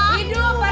hidup pak rt